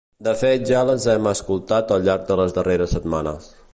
De fet ja les hem escoltat al llarg de les darreres setmanes.